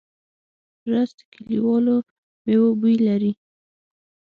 رس د کلیوالو مېوو بوی لري